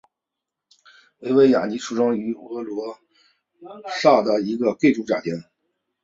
维维亚尼出生于佛罗伦萨的一个贵族家庭。